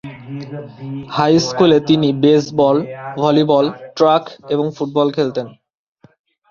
High স্কুলে তিনি baseball, volleyball, track এবং ফুটবল খেলতেন।